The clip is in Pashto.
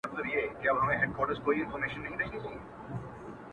نن دي خیال راته یو ښکلی انعام راوړ,